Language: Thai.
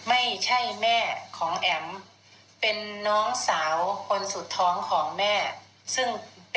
ไม่ใช่แม่ของแอ๋มเป็นน้องสาวคนสุดท้องของแม่ซึ่งเป็น